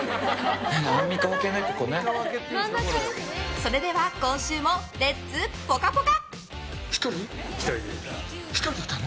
それでは今週もレッツぽかぽか！